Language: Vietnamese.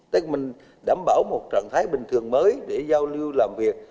tức mình đảm bảo một trận thái bình thường mới để giao lưu làm việc